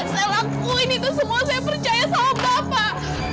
saya lakuin itu semua saya percaya sama bapak